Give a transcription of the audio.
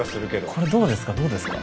これどうですか？